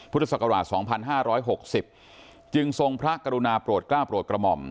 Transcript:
พุทธศักราช๒๕๖๐จึงทรงพระกรุณาโปรดกล้าโปรดกระหม่อม